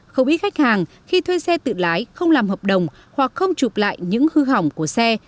không ít khách hàng khi thuê xe tự lái không làm hợp đồng hoặc không chụp lại những hư hỏng của xe